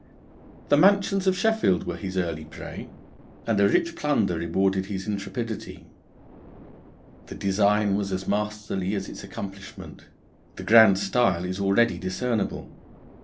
The mansions of Sheffield were his early prey, and a rich plunder rewarded his intrepidity. The design was as masterly as its accomplishment. The grand style is already discernible.